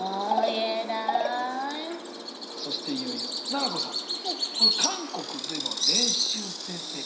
そしていよいよななこさんこれ韓国での練習生生活